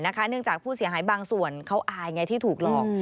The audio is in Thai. เนื่องจากผู้เสียหายบางส่วนเขาอายไงที่ถูกหลอก